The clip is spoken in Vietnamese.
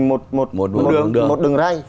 một đường ray